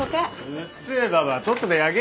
うっせえばばあとっとと焼け。